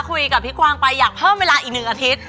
คุยกับพี่กวางไปอยากเพิ่มเวลาอีก๑อาทิตย์